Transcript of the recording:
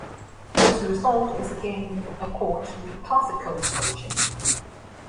This result is again in accord with the classical equation.